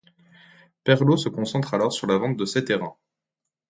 Perlot se concentre alors sur la vente de ses terrains.